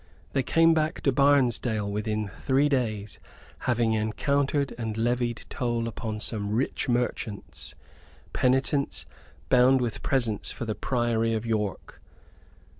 They came back to Barnesdale within three days, having encountered and levied toll upon some rich merchants penitents bound with presents for the Priory of York.